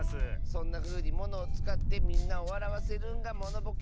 そんなふうにものをつかってみんなをわらわせるんがモノボケ。